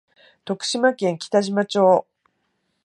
徳島県北島町